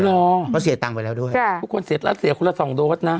แล้วก็เสียตังไปแล้วด้วยก็เสียตังเสียคนละสองโดสนะ